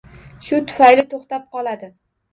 Shu tufayli to’xtab qoladi